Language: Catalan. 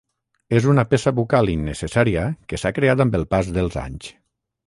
És una peça bucal innecessària que s’ha creat amb el pas dels anys.